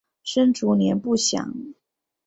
生卒年不详。